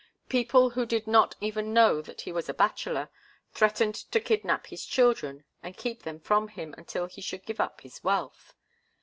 People who did not even know that he was a bachelor, threatened to kidnap his children and keep them from him until he should give up his wealth.